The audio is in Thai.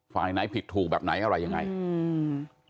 ฝ่ายไหนผิดถูกแบบไหนอะไรยังไงอืม